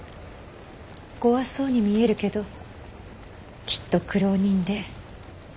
「怖そうに見えるけどきっと苦労人で優しい人だ」って。